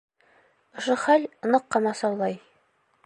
Ошо хәл ныҡ ҡамасаулай.